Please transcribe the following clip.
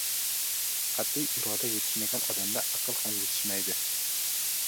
Qat’iy iroda yetishmagan odamda aql ham yetishmaydi.